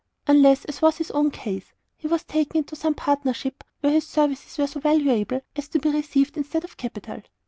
"Unless, as was his own case, he was taken into some partnership where his services were so valuable as to be received instead of capital.